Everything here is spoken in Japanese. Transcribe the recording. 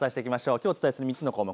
きょうお伝えする３つの項目